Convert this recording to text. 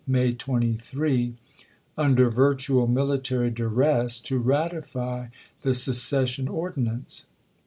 May 23, under virtual military duress, to ratify the se cession ordinance.